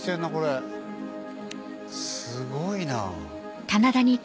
すごいな。